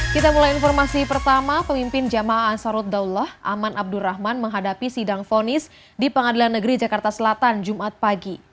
kita mulai informasi pertama pemimpin jamaah ansarut daulah aman abdurrahman menghadapi sidang fonis di pengadilan negeri jakarta selatan jumat pagi